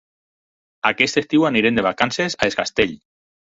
Aquest estiu anirem de vacances a Es Castell.